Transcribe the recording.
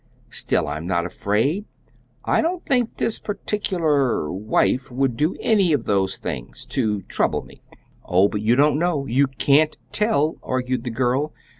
Still, I'm not afraid. I don't think this particular wife would do any of those things to trouble me." "Oh, but you don't know, you can't tell," argued the girl.